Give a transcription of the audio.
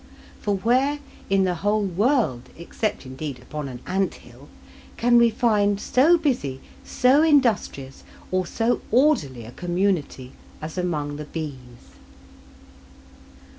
For where in the whole world, except indeed upon an anthill, can we find so busy, so industrious, or so orderly a community as among the bees?